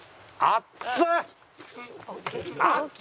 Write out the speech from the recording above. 熱っ！